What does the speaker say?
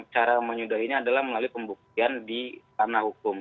cara menyudahinya adalah melalui pembuktian di tanah hukum